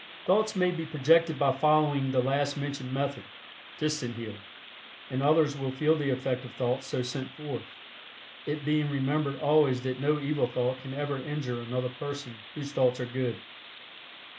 Thoughts may be projected by following the last mentioned method (Distant Healing) and others will feel the effect of thought so sent forth, it being remembered always that no evil thought can ever injure another person whose thoughts are good.